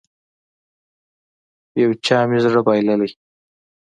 يو چا مې زړه بايللی.